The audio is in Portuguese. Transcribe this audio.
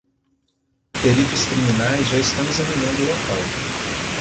Peritos criminais já estão examinando o local